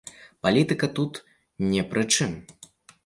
Палітыка тут не пры чым.